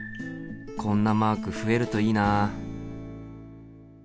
こんなマーク増えるといいな。